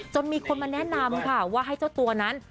มีคนมาแนะนำค่ะว่าให้เจ้าตัวนั้น